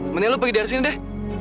mending lo pergi dari sini deh